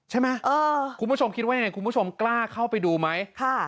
ใช่ไหมเออคุณผู้ชมคิดว่าไงคุณผู้ชมกล้าเข้าไปดูไหมค่ะ